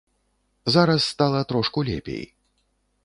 Зараз стала трошку лепей.